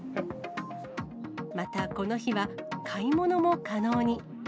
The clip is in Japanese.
またこの日は、買い物も可能に。